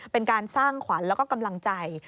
เป็นการสร้างขวัญแล้วก็กำลังใจ